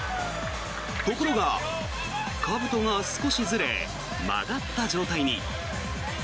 ところが、かぶとが少しずれ曲がった状態に。